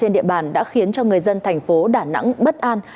trên địa bàn đã khiến cho người dân thành phố đà nẵng bất an